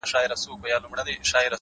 خاموش صبر لوی بدلون زېږوي!